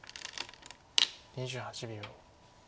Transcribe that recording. ２８秒。